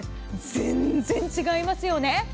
全然違いますよね。